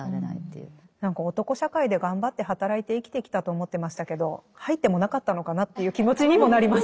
何か男社会で頑張って働いて生きてきたと思ってましたけど入ってもなかったのかなという気持ちにもなります。